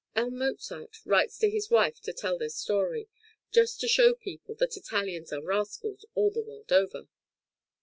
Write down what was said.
L. Mozart writes to his wife to tell this story, "just to show people that Italians are rascals all the world over."